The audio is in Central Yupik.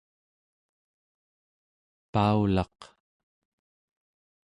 paulaq